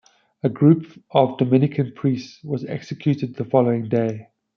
A group of Dominican Priests was executed the following day.